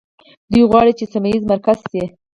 دوی غواړي چې سیمه ییز مرکز شي.